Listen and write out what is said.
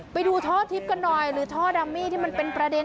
ไปดูท่อทิพย์กันหน่อยหรือท่อดัมมี่ที่มันเป็นประเด็น